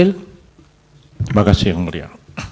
terima kasih yang mulia